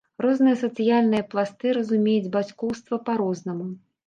Розныя сацыяльныя пласты разумеюць бацькоўства па-рознаму.